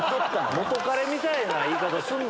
元カレみたいな言い方すんな！